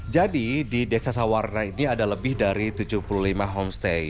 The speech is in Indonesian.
jadi di desa sawarna ini ada lebih dari tujuh puluh lima homestay